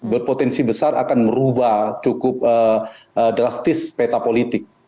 berpotensi besar akan merubah cukup drastis peta politik